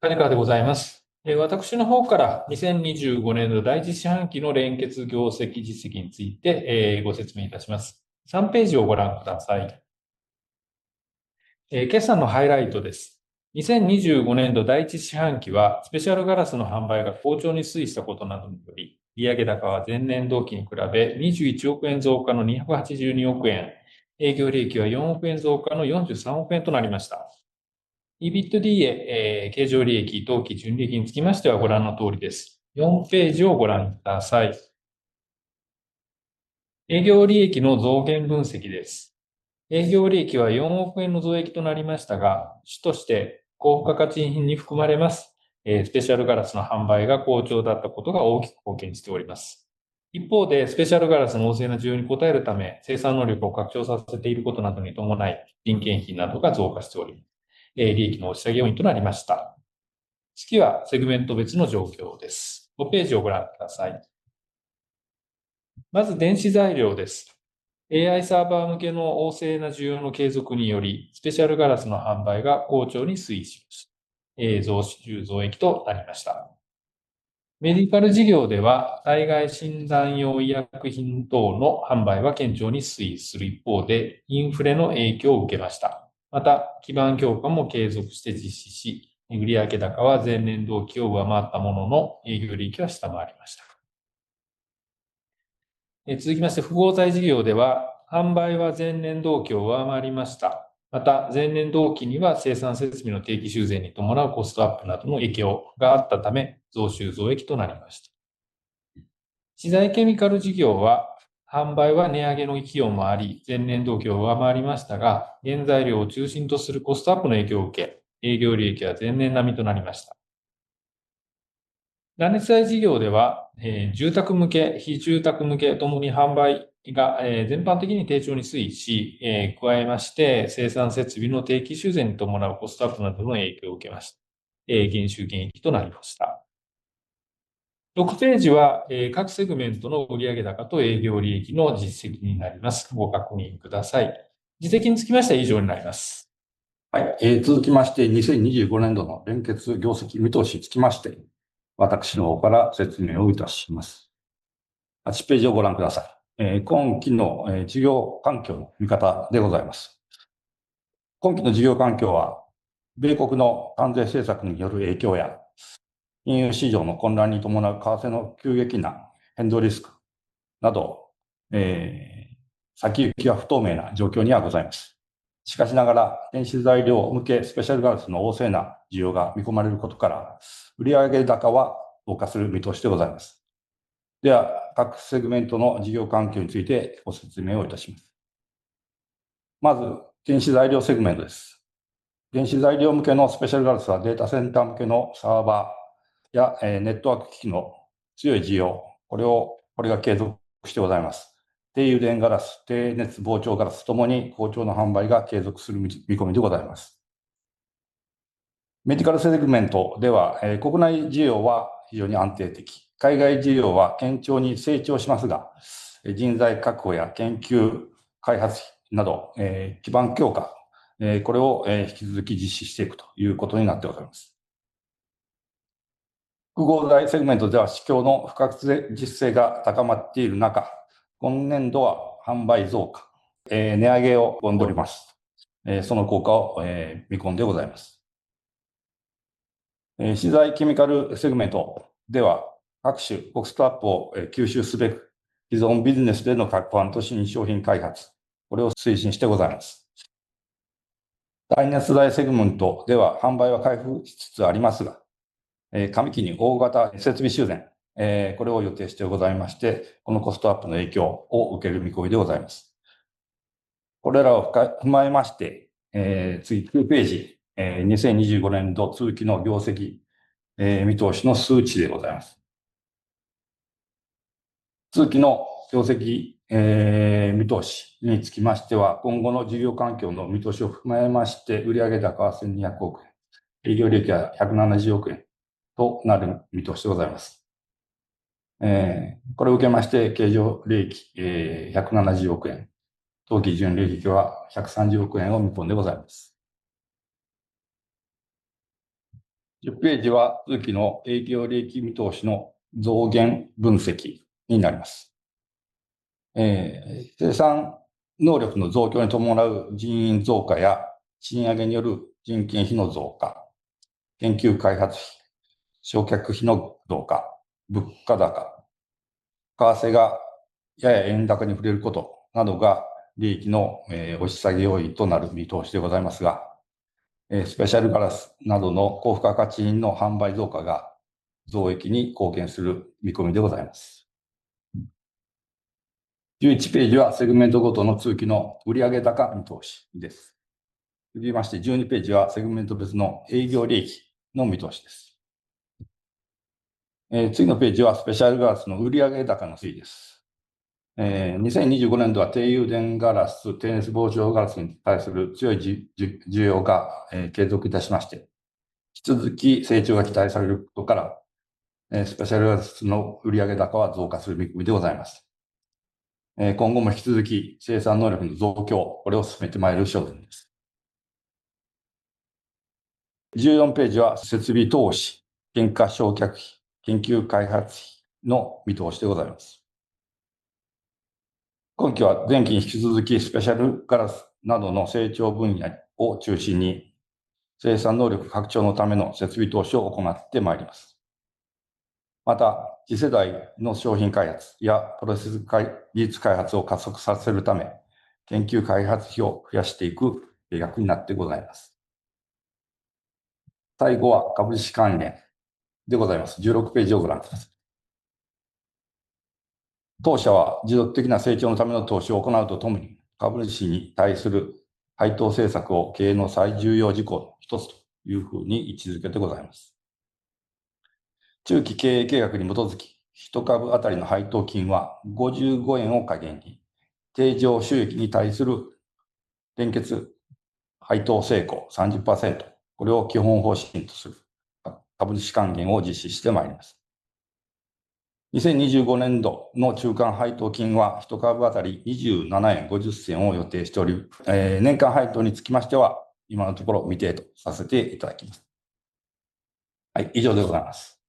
田中でございます。私の方から、2025年度第1四半期の連結業績実績についてご説明いたします。3ページをご覧ください。決算のハイライトです。2025年度第1四半期はスペシャルガラスの販売が好調に推移したことなどにより、売上高は前年同期に比べ ¥21 億円増加の ¥282 億円、営業利益は ¥4 億円増加の ¥43 億円となりました。EBITDA、経常利益、当期純利益につきましてはご覧のとおりです。4ページをご覧ください。営業利益の増減分析です。営業利益は ¥4 億円の増益となりましたが、主として高付加価値品に含まれますスペシャルガラスの販売が好調だったことが大きく貢献しております。一方で、スペシャルガラスの旺盛な需要に応えるため、生産能力を拡張させていることなどに伴い、人件費などが増加しており、利益の押し上げ要因となりました。次はセグメント別の状況です。5ページをご覧ください。まず電子材料です。AI サーバー向けの旺盛な需要の継続により、スペシャルガラスの販売が好調に推移し、増収増益となりました。メディカル事業では、災害診断用医薬品等の販売は堅調に推移する一方で、インフレの影響を受けました。また、基盤強化も継続して実施し、売上高は前年同期を上回ったものの、営業利益は下回りました。続きまして、不合材事業では、販売は前年同期を上回りました。また、前年同期には生産設備の定期修繕に伴うコストアップなどの影響があったため、増収増益となりました。資材ケミカル事業は、販売は値上げの勢いもあり、前年同期を上回りましたが、原材料を中心とするコストアップの影響を受け、営業利益は前年並みとなりました。断熱材事業では、住宅向け、非住宅向けともに販売が全般的に低調に推移し、加えまして、生産設備の定期修繕に伴うコストアップなどの影響を受けました。減収減益となりました。6ページは、各セグメントの売上高と営業利益の実績になります。ご確認ください。実績につきましては以上になります。はい、続きまして、2025年度の連結業績見通しにつきまして、私の方から説明をいたします。8ページをご覧ください。今期の事業環境の見方でございます。今期の事業環境は、米国の関税政策による影響や、金融市場の混乱に伴う為替の急激な変動リスクなど、先行きは不透明な状況にはございます。しかしながら、電子材料向けスペシャルガラスの旺盛な需要が見込まれることから、売上高は増加する見通しでございます。では、各セグメントの事業環境についてご説明をいたします。まず電子材料セグメントです。電子材料向けのスペシャルガラスは、データセンター向けのサーバーやネットワーク機器の強い需要、これが継続してございます。低誘電ガラス、低熱膨張ガラスともに好調な販売が継続する見込みでございます。メディカルセグメントでは、国内需要は非常に安定的、海外需要は堅調に成長しますが、人材確保や研究開発費など、基盤強化、これを引き続き実施していくということになってございます。耐火材セグメントでは、市況の不確実性が高まっている中、今年度は販売増加、値上げを見込んでおります。その効果を見込んでございます。化成ケミカルセグメントでは、各種コストアップを吸収すべく、既存ビジネスでの革新商品開発、これを推進してございます。断熱材セグメントでは、販売は回復しつつありますが、上期に大型設備修繕、これを予定してございまして、このコストアップの影響を受ける見込みでございます。これらを踏まえまして、次、9ページ、2025年度通期の業績見通しの数値でございます。通期の業績見通しにつきましては、今後の事業環境の見通しを踏まえまして、売上高は ¥1,200 億円、営業利益は ¥170 億円となる見通しでございます。これを受けまして、経常利益 ¥170 億円、当期純利益は ¥130 億円を見込んでございます。10ページは、通期の営業利益見通しの増減分析になります。生産能力の増強に伴う人員増加や賃上げによる人件費の増加、研究開発費、償却費の増加、物価高、為替がやや円高に振れることなどが、利益の押し下げ要因となる見通しでございますが、スペシャルガラスなどの高付加価値品の販売増加が増益に貢献する見込みでございます。11ページは、セグメントごとの通期の売上高見通しです。続きまして、12ページは、セグメント別の営業利益の見通しです。次のページは、スペシャルガラスの売上高の推移です。2025年度は、低誘電ガラス、低熱膨張ガラスに対する強い需要が継続いたしまして、引き続き成長が期待されることから、スペシャルガラスの売上高は増加する見込みでございます。今後も引き続き、生産能力の増強、これを進めてまいる商品です。14ページは、設備投資、減価償却費、研究開発費の見通しでございます。今期は、前期に引き続き、スペシャルガラスなどの成長分野を中心に、生産能力拡張のための設備投資を行ってまいります。また、次世代の商品開発やプロセス技術開発を加速させるため、研究開発費を増やしていく計画になってございます。最後は、株主関連でございます。16ページをご覧ください。当社は、持続的な成長のための投資を行うとともに、株主に対する配当政策を経営の最重要事項の1つというふうに位置づけてございます。中期経営計画に基づき、1株当たりの配当金は ¥55 円を下限に、経常収益に対する連結配当性向 30%、これを基本方針とする株主還元を実施してまいります。2025年度の中間配当金は、1株当たり ¥27 円50銭を予定しており、年間配当につきましては、今のところ未定とさせていただきます。以上でございます。